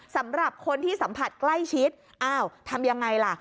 สำหรับคนที่สัมผัสใกล้ชิดอ้าวทำยังไงล่ะ